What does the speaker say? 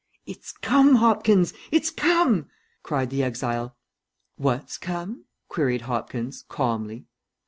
"It's come, Hopkins, it's come!" cried the exile. "What's come?" queried Hopkins, calmly.